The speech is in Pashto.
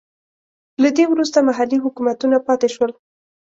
له دې وروسته محلي حکومتونه پاتې شول.